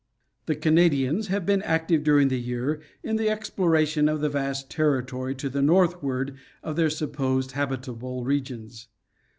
The Canadians have been active during the year in the explora tion of the vast territory to the northward of their supposed hab itable regions.